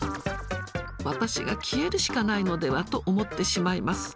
私が消えるしかないのではと思ってしまいます。